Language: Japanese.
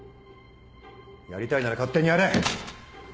やりたいなら勝手にやれ！